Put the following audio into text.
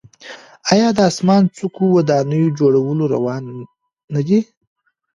آیا د اسمان څکو ودانیو جوړول روان نه دي؟